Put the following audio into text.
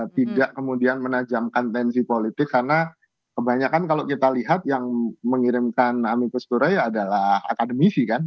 tidak kemudian menajamkan tensi politik karena kebanyakan kalau kita lihat yang mengirimkan amikusturro ya adalah akademisi kan